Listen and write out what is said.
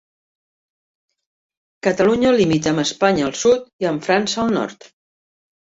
Catalunya limita amb Espanya al sud i amb França al nord.